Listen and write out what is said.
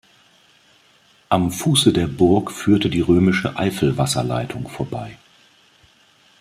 Am Fuße der Burg führte die römische Eifelwasserleitung vorbei.